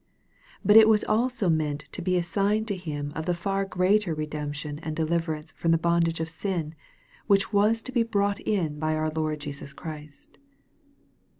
But it was also meant to be a sign to him of the far greater redemption and deliverance from the bondage of sin, which was to be brought in by our Lord Jesus Christ.